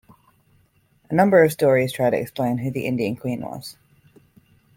A number of stories try to explain who the Indian Queen was.